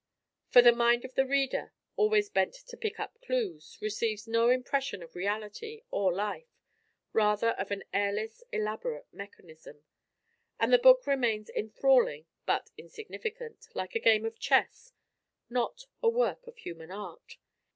For the mind of the reader, always bent to pick up clews, receives no impression of reality or life, rather of an airless, elaborate mechanism; and the book remains enthralling, but insignificant, like a game of chess, not a work of human art.